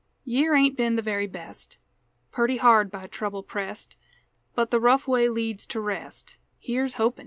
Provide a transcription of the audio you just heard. Year ain't been the very best; Purty hard by trouble pressed; But the rough way leads to rest, Here's hopin'!